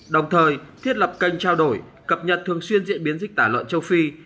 đồng thời thiết lập kênh trao đổi cập nhật thường xuyên diễn biến dịch tả lợn châu phi